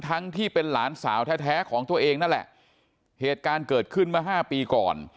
ทั้งที่เป็นหลานสาวแท้ของตัวเองนั่นแหละเหตุการณ์เกิดขึ้นมา๕ปีก่อน